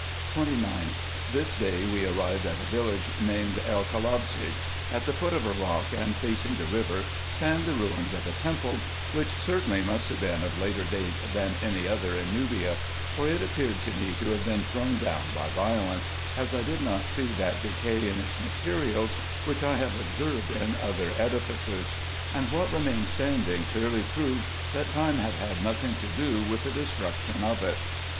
29th. This day we arrived at a village named El Kalabshe. At the foot of a rock, and facing the river, stand the ruins of a temple, which certainly must have been of later date than any other in Nubia ; for it appeared to me to have been thrown down by violence, as I did not see that decay in its materials, which I have observed in other edifices; and what remained standing clearly proved, that time had had nothing to do with the destruction of k 2 68 RESEARCHES AND OPERATIONS it.